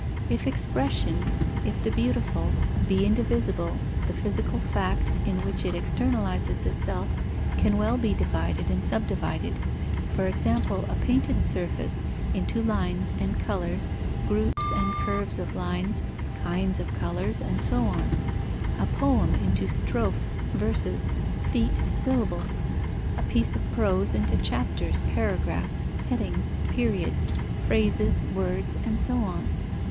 If expression, if the beautiful, be indivisible, the physical fact, in which it externalizes itself, can well be divided and subdivided; for example, a painted surface, into lines and colours, groups and curves of lines, kinds of colours, and so on; a poem, into strophes, verses, feet, syllables; a piece of prose, into chapters, paragraphs, headings, periods, phrases, words, and so on.